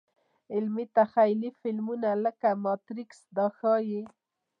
علمي – تخیلي فلمونه لکه ماتریکس دا ښيي.